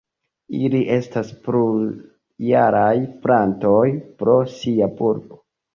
Ili estas plurjaraj plantoj pro sia bulbo.